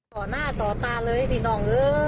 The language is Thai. ต่อหน้าต่อตาเลยพี่น้องเออ